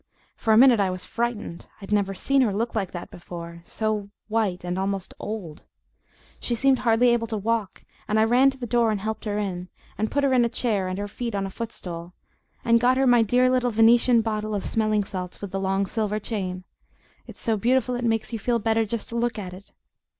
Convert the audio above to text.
For a minute I was frightened. I'd never seen her look like that before so white and almost OLD; she seemed hardly able to walk, and I ran to the door and helped her in, and put her in a chair and her feet on a footstool, and got her my dear little Venetian bottle of smelling salts with the long silver chain; it's so beautiful it makes you feel better just to look at it.